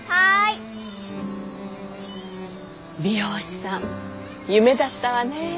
美容師さん夢だったわねぇ。